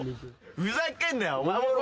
ふざけんなよ。